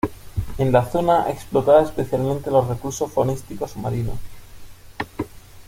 En la zona explotaba especialmente los recursos faunísticos marinos.